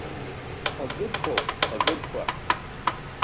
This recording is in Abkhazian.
Агырқәоуп, агырқәа.